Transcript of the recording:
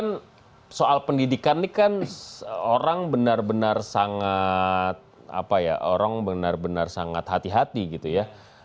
kan soal pendidikan ini kan orang benar benar sangat apa ya orang benar benar sangat hati hati gitu ya